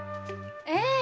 ええ。